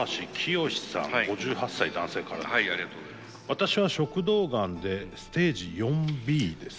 「私は食道ガンでステージⅣＢです」。